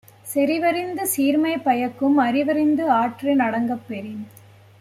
செறிவறிந்து சீர்மை பயக்கும் அறிவறிந்து ஆற்றின் அடங்கப் பெறின்